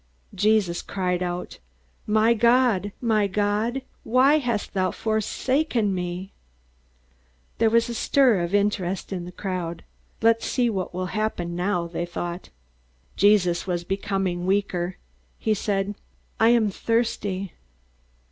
Jesus cried out, "My God, my God, why hast thou forsaken me?" There was a stir of interest in the crowd. Let's see what will happen now, they thought. Jesus was becoming weaker. He said, "I am thirsty."